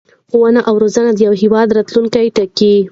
ښوونه او رزونه د یو هېواد راتلوونکی ټاکي.